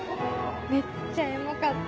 めっちゃエモかった。